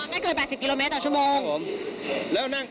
ไม่เกิน๘๐กิโลเมตรต่อชั่วโมง